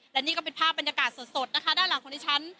และนี่ก็เป็นภาพบรรยากาศสดนะคะด้านหลังของดิฉัน